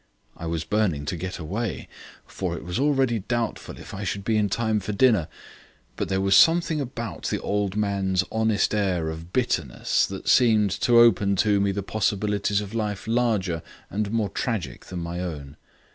I was burning to get away, for it was already doubtful if I should be in time for dinner. But there was something about the old man's honest air of bitterness that seemed to open to me the possibilities of life larger and more tragic than my own.